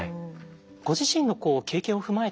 ご自身の経験を踏まえてですね